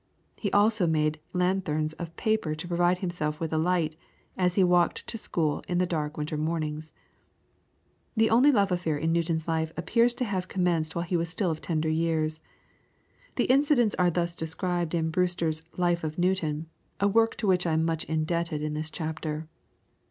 He also made lanthorns of paper to provide himself with light as he walked to school in the dark winter mornings. The only love affair in Newton's life appears to have commenced while he was still of tender years. The incidents are thus described in Brewster's "Life of Newton," a work to which I am much indebted in this chapter.